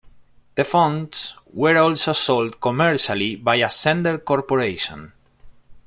The fonts were also sold commercially by Ascender Corporation.